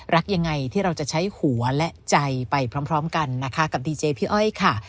รักยังไงที่เราจะใช้หัวและใจไปพร้อมกันนะคะกับดีเจพี่อ้อยค่ะ